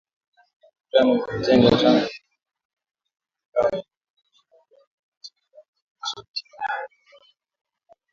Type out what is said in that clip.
Mivutano imetanda tangu bunge lenye makao yake mashariki mwa nchi hiyo kumwapisha Waziri Mkuu mapema mwezi huu.